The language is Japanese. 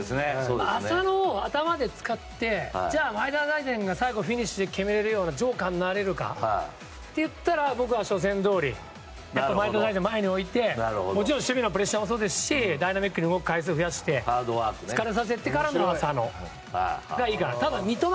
浅野を頭で使ってじゃあ、前田大然が最後フィニッシュで決めれるようなジョーカーになれるかといったら僕は初戦どおり前田大然を前に置いて守備でのプレッシャーもそうだしダイナミックに動く回数を増やして疲れさせてからの浅野がいいかなと。